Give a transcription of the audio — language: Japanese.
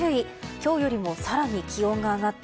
今日よりも更に気温が上がって